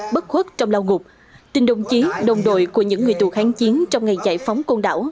bất khuất trong lao ngục tình đồng chí đồng đội của những người tù kháng chiến trong ngày giải phóng côn đảo